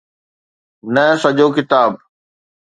نه سڄو ڪتاب.